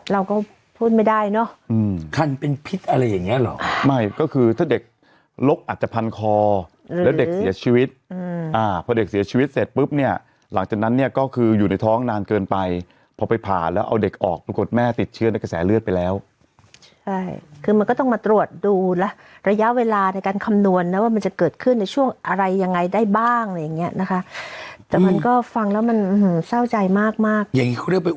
เราก็พูดไม่ได้เนาะคันเป็นพิษอะไรอย่างเงี้ยหรอไม่ก็คือถ้าเด็กลกอาจจะพันคอแล้วเด็กเสียชีวิตอ่าพอเด็กเสียชีวิตเสร็จปุ๊บเนี่ยหลังจากนั้นเนี่ยก็คืออยู่ในท้องนานเกินไปพอไปผ่านแล้วเอาเด็กออกปรากฏแม่ติดเชื้อในกระแสเลือดไปแล้วคือมันก็ต้องมาตรวจดูละระยะเวลาในการคำนวณแล้วว่ามัน